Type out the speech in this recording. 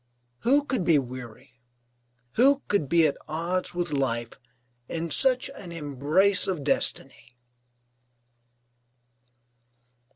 Who could be weary, who could be at odds with life, in such an embrace of destiny?